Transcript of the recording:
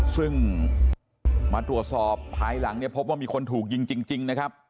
ซึ่งมาตรวจสอบภายหลังเนี่ยพบว่ามีคนถูกยิงจริงนะครับ